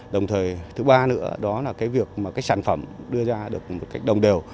đồng thời thứ ba nữa đó là việc sản phẩm đưa ra được một cách đồng đều